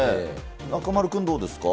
中丸君、どうですか？